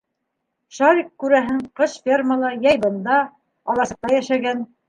Шарик, күрәһең, ҡыш фермала, йәй бында, аласыҡта, йәшәгән.